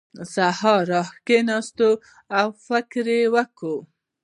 سهار راکېناست او فکر یې وکړ.